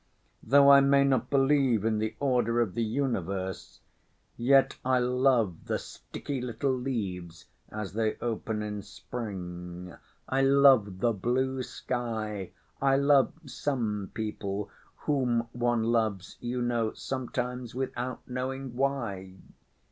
Though I may not believe in the order of the universe, yet I love the sticky little leaves as they open in spring. I love the blue sky, I love some people, whom one loves you know sometimes without knowing why.